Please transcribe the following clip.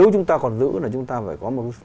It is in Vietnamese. chúng ta còn giữ là chúng ta phải có một